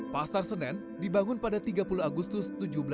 pasar senen dibangun pada tiga puluh agustus seribu tujuh ratus enam puluh